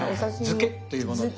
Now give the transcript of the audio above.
漬けっていうものですね。